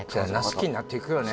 好きになっていくよね